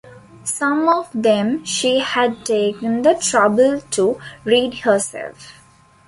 Some of them she had taken the trouble to read herself.